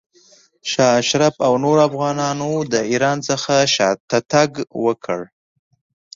شاه اشرف او نورو افغانانو له ایران څخه شاته تګ وکړ.